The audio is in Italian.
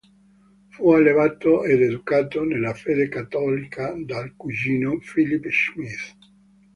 Fu allevato ed educato nella fede cattolica dal cugino Philip Schmidt.